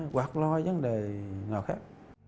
hoặc lo vấn đề nào khác